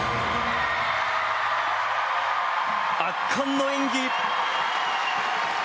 圧巻の演技。